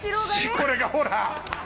これがほら